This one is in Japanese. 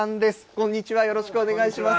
こんにちは、よろしくお願いします。